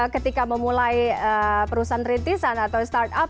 ketika memulai perusahaan rintisan atau startup